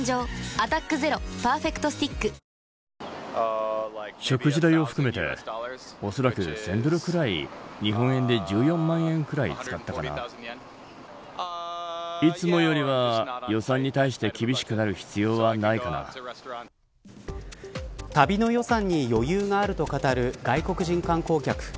「アタックＺＥＲＯパーフェクトスティック」旅の予算に余裕があると語る外国人観光客。